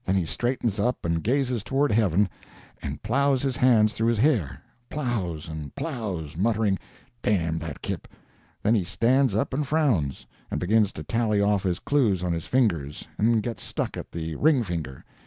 Then he straightens up and gazes toward heaven, and plows his hands through his hair plows and plows, muttering, 'Damn that kip!' Then he stands up and frowns, and begins to tally off his clues on his fingers and gets stuck at the ring finger.